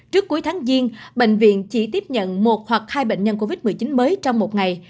trước cuối tháng giêng bệnh viện chỉ tiếp nhận một hoặc hai bệnh nhân covid một mươi chín mới trong một ngày